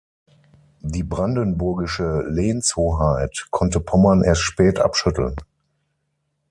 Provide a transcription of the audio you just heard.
Die brandenburgische Lehnshoheit konnte Pommern erst spät abschütteln.